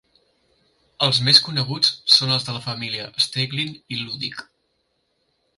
Els més coneguts són els de la família Stegling i Ludick.